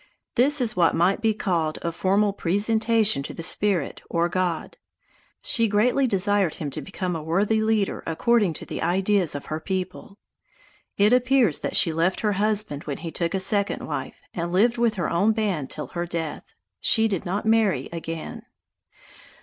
This is what might be called a formal presentation to the spirit or God. She greatly desired him to become a worthy leader according to the ideas of her people. It appears that she left her husband when he took a second wife, and lived with her own band till her death. She did not marry again.